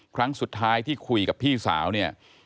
ครั้งสุดท้ายที่คุยกับพี่สาวเนี่ย